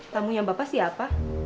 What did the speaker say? tamunya bapak siapa